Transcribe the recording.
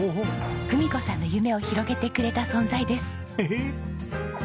文子さんの夢を広げてくれた存在です。